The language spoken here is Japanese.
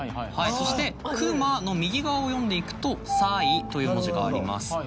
そして「くま」の右側を読んでいくと「さい」という文字があります。